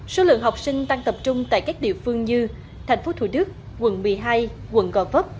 số lượng học sinh tăng tập trung tại các địa phương như thành phố thủ đức quận một mươi hai quận gò vấp